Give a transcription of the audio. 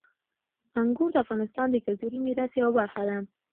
انګور د افغانستان د کلتوري میراث یوه برخه ده.